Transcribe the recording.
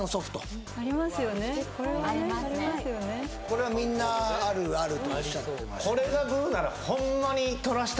これはみんな「あるある」とおっしゃってます